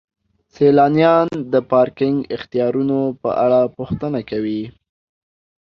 سیلانیان د پارکینګ اختیارونو په اړه پوښتنه کوي.